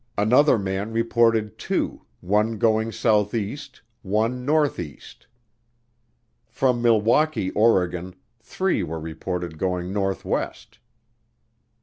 Another man reported two, one going southeast, one northeast. From Milwaukie, Oregon, three were reported going northwest.